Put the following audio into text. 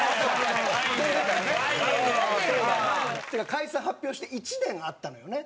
解散発表して１年あったのよね